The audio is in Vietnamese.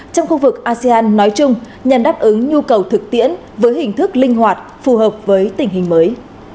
trong khu vực asean nói chung nhằm đáp ứng nhu cầu thực tiễn với hình thức linh hoạt phù hợp với tình hình mới